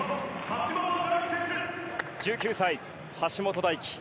１９歳、橋本大輝。